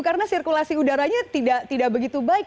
karena sirkulasi udaranya tidak begitu baik